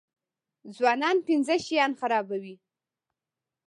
ځوانان پنځه شیان خرابوي.